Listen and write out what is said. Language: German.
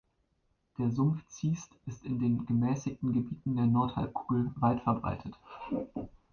Der Sumpf-Ziest ist in den gemäßigten Gebieten der Nordhalbkugel weitverbreitet.